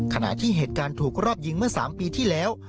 ขณะที่เหตุการณ์ถูกรอบยิงเมื่อ๓ปีที่แล้ว